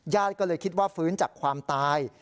ก็เลยคิดว่าฟื้นจากความตาย